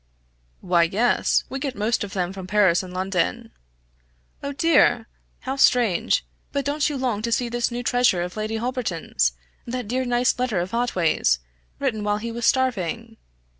"Why yes! we get most of them from Paris and London." "Oh dear! how strange but don't you long to see this new treasure of Lady Holberton's that dear nice letter of Otway's, written while he was starving?"